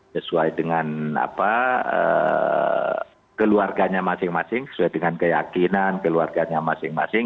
sesuai dengan keluarganya masing masing sesuai dengan keyakinan keluarganya masing masing